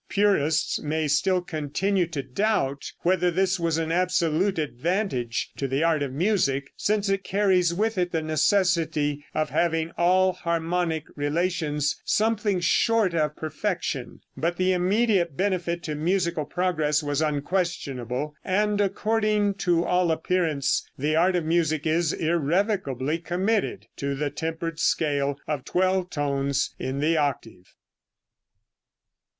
Purists may still continue to doubt whether this was an absolute advantage to the art of music, since it carries with it the necessity of having all harmonic relations something short of perfection; but the immediate benefit to musical progress was unquestionable, and according to all appearance the art of music is irrevocably committed to the tempered scale of twelve tones in the octave.